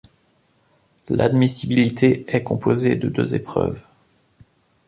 L'admissibilité est composée de deux épreuves.